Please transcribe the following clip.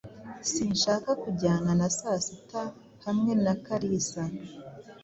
Sinshaka kujyana na sasita hamwe na Kalisa.